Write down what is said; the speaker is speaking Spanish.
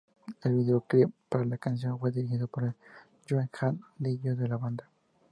El videoclip para la canción fue dirigido por Joe Hahn, dj de la banda.